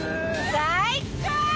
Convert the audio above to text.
最高！